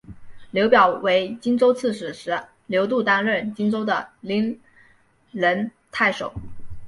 刘表为荆州刺史时刘度担任荆州的零陵太守。